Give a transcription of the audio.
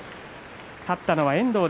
勝ったのは遠藤。